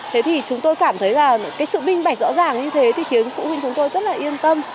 thế thì chúng tôi cảm thấy là cái sự minh bạch rõ ràng như thế thì khiến phụ huynh chúng tôi rất là yên tâm